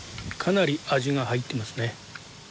かなり味が入ってますね。